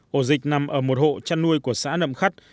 hộ dịch nằm ở một hộ trăn nuôi của xã nậm khắt